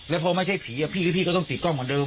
แล้วพอไม่ใช่ผีพี่ก็ต้องติดกล้องเหมือนเดิ